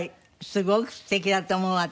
すごく素敵だと思う私。